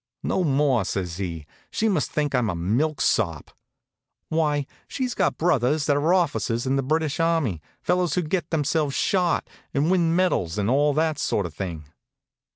"No more," says he. "She must think I'm a milksop. Why, she's got brothers that are officers in the British army, fellows who get themselves shot, and win medals, and all that sort of thing."